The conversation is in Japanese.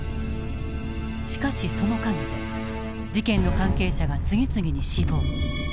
しかしその陰で事件の関係者が次々に死亡。